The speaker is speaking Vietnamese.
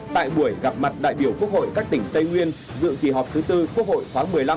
tại buổi gặp mặt đại biểu quốc hội các tỉnh tây nguyên dự kỳ họp thứ tư quốc hội khoáng một mươi năm